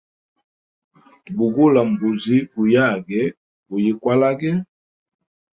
Bugula mbuzi guyage, gulikwalage.